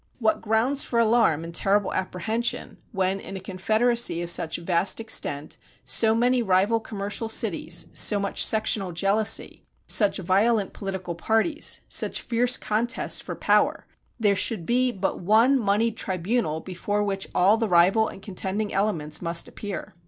What grounds for alarm and terrible apprehension when in a confederacy of such vast extent, so many rival commercial cities, so much sectional jealousy, such violent political parties, such fierce contests for power, there should be but one moneyed tribunal before which all the rival and contending elements must appear.